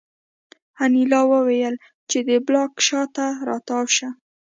انیلا وویل چې د بلاک شا ته را تاو شه